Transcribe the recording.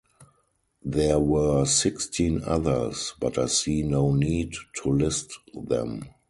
There were sixteen others, but I see no need to list them.